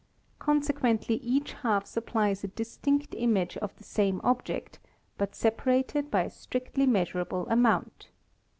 Consequently each half supplies a distinct image of the same object, but separated by a strictly measurable amount.